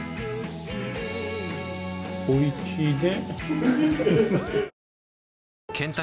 おいちいね。